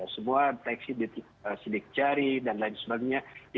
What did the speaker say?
sebuah teksi sidik jari dan lain sebagainya